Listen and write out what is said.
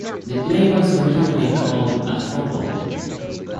The play was originally called a fumble.